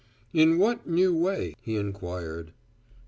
"In what new way?" he inquired.